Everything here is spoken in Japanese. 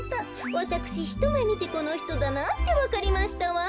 わたくしひとめみてこのひとだなってわかりましたわん。